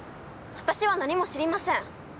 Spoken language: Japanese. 私は何も知りません。